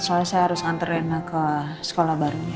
soalnya saya harus ngantar rena ke sekolah baru